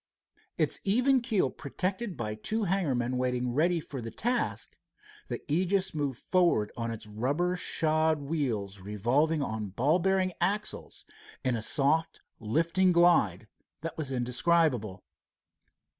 Its even keel protected by two hangar men waiting ready for the task, the Aegis moved forward on its rubber shod wheels revolving on ball bearing axles in a soft, lifting glide that was indescribable.